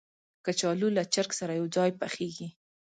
کچالو له چرګ سره یو ځای پخېږي